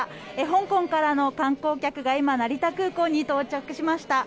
香港からの観光客が今、成田空港に到着しました。